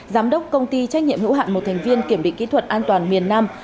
giám đốc công ty trách nhiệm hữu hạn một thành viên kiểm định kỹ thuật an toàn miền nam